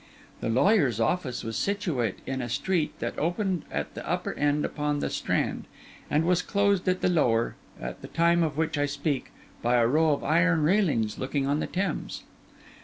The lawyer's office was situate in a street that opened at the upper end upon the Strand, and was closed at the lower, at the time of which I speak, by a row of iron railings looking on the Thames.